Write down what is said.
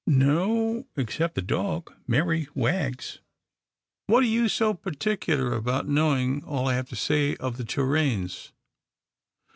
"" No, except the dog, Merry Wags — what are you so particular about knowing all I have to say of the Torraines